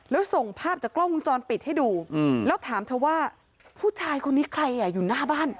แล้วส่งภาพจากกล้องวงจรปิดให้ดูแล้วถามเธอว่าผู้ชายคนนี้ใครอ่ะอยู่หน้าบ้าน